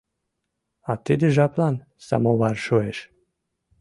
А тиде жаплан самовар шуэш.